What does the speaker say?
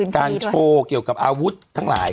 โชว์เกี่ยวกับอาวุธทั้งหลาย